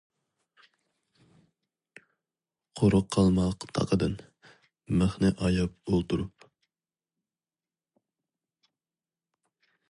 قۇرۇق قالما تاقىدىن، مىخنى ئاياپ ئولتۇرۇپ.